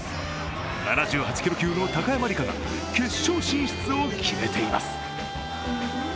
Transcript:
７８キロ級の高山莉加が決勝進出を決めています。